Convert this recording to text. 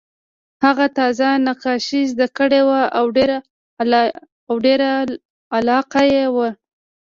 هغه تازه نقاشي زده کړې وه او ډېره علاقه یې وه